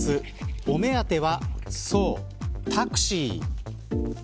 お目当ては、そう、タクシー。